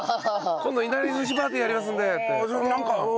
今度稲荷寿司パーティーやりますんでって。